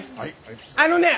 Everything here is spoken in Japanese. あのねえ